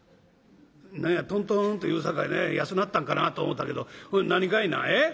「何やとんとんと言うさかい安なったんかなと思うたけど何かいなえ？